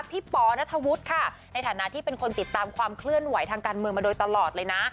ปอนัทธวุฒิค่ะในฐานะที่เป็นคนติดตามความเคลื่อนไหวทางการเมืองมาโดยตลอดเลยนะ